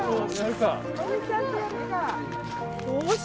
よし。